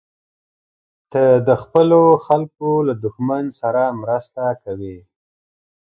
ته د خپلو خلکو له دښمن سره مرسته کوې.